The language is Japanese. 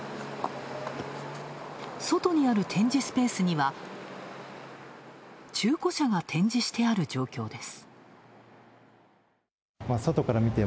外にある展示スペースには、中古車が展示してある状況です。